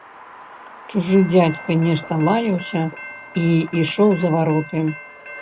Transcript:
Чужы дзядзька нешта лаяўся і ішоў за вароты.